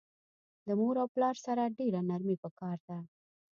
د مور او پلار سره ډیره نرمی پکار ده